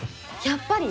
やっぱり。